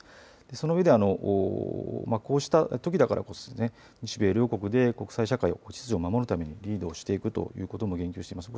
そのうえでこうしたときだからこそ日米両国で国際社会の秩序を守るためにリードをしていくということも言及していまして